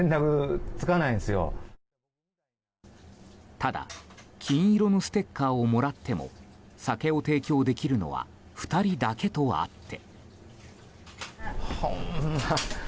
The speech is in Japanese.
ただ、金色のステッカーをもらっても酒を提供できるのは２人だけとあって。